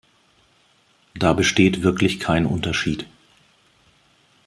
Da besteht wirklich kein Unterschied.